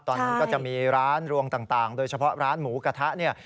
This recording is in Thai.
ตอนนั้นก็จะมีร้านรวงต่างโดยเฉพาะร้านหมูกระทะเนี่ย